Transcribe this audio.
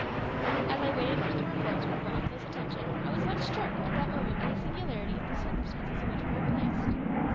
As I waited for the reports with breathless attention, I was much struck at that moment by the singularity of the circumstances in which we were placed.